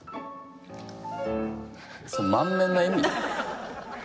それ満面の笑み？